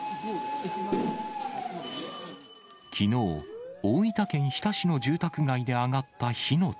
きのう、大分県日田市の住宅街で上がった火の手。